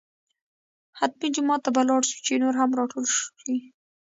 حتمي جومات ته به لاړ شو چې نور هم راټول شي.